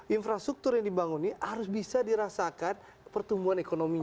infrastruktur yang dibangun ini harus bisa dirasakan pertumbuhan ekonominya